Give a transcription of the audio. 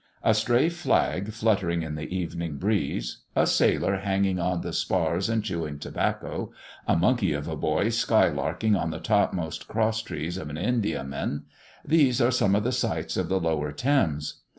A stray flag fluttering in the evening breeze, a sailor hanging on the spars and chewing tobacco, a monkey of a boy sky larking on the topmost cross trees of an Indiaman these are some of the sights of the lower Thames.